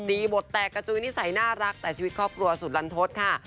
บทแตกกระจุยนิสัยน่ารักแต่ชีวิตครอบครัวสุดลันทศค่ะ